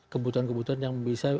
kebutuhan kebutuhan yang bisa